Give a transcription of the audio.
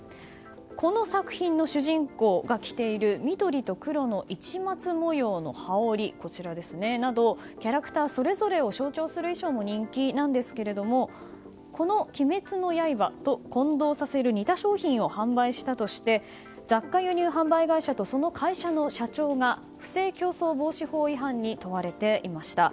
この作品の主人公が着ている緑と黒の市松模様の羽織などキャラクターそれぞれを象徴する衣装も人気なんですがこの「鬼滅の刃」と混同させる似た商品を販売したとして雑貨輸入販売会社とその会社の社長が不正競争防止法違反に問われていました。